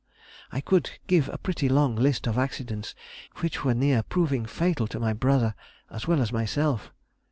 I could give a pretty long list of accidents which were near proving fatal to my brother as well as myself.